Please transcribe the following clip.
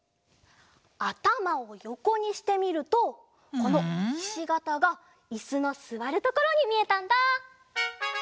あたまをよこにしてみるとこのひしがたがいすのすわるところにみえたんだ。